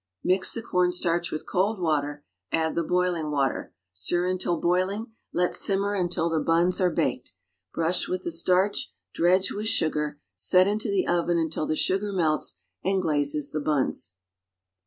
Mix the cornstarch with cold water, add the boiling water. Stir until boiling, let simmer untd the buns are baked. Brush with the starch, dredge with sugar, set into the oven until the sugar melts and glazes the buns.